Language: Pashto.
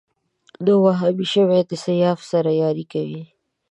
نوی وهابي شوی د سیاف سره ياري کوي